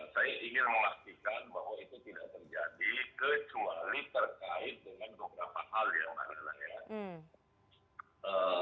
saya ingin mengastikan bahwa itu tidak terjadi kecuali terkait dengan beberapa hal yang mana mana ya